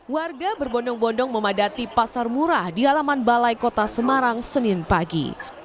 warga berbondong bondong memadati pasar murah di halaman balai kota semarang senin pagi